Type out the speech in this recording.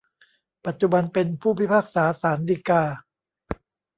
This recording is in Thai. ปัจจุบันเป็นผู้พิพากษาศาลฎีกา